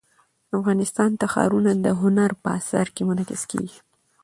افغانستان کې ښارونه د هنر په اثار کې منعکس کېږي.